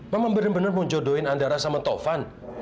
mama benar benar menjodohin andara sama taufan